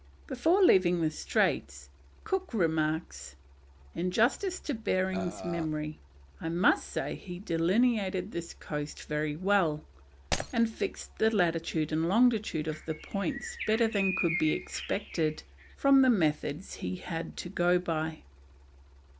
Before leaving the straits, Cook remarks: "In justice to Behring's memory, I must say he delineated this coast very well, and fixed the latitude and longitude of the points better than could be expected from the methods he had to go by."